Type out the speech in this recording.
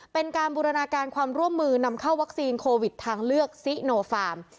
เป็นการบูรณาการความร่วมมือนำเข้าวัคซีนโควิดทางเลือกซิโนฟาร์ม